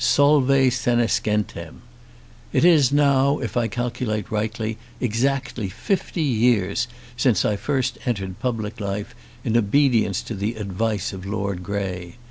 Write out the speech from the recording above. "Solve senescentem." It is now, if I calculate rightly, exactly fifty years since I first entered public life in obedience to the advice of Lord Grey.